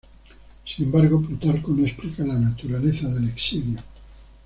Sin embargo, Plutarco no explica la naturaleza del exilio.